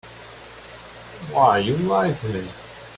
Why, you lied to me.